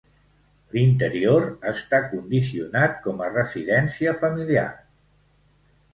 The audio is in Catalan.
L'interior està condicionat com a residència familiar.